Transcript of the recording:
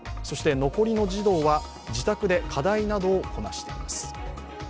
そして残りの児童は自宅で課題などをこなしています。